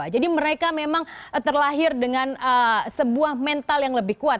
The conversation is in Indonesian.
jadi mereka memang terlahir dengan sebuah mental yang lebih kuat